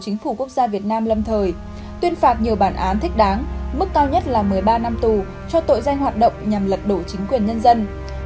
chính phủ quốc gia việt nam lâm thời tuyên phạt nhiều bản án thích đáng mức cao nhất là một mươi ba năm tù cho tội doanh hoạt động nhằm lật đổ chính quyền nhân dân